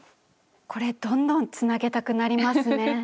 これどんどんつなげたくなりますね。